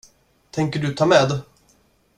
Tänker du ta med.